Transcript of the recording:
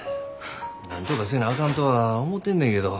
なんとかせなあかんとは思てんねんけど。